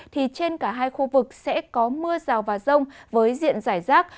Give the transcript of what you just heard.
thì trên cả hai khu vực sẽ có mưa rào và rông với diện giải rác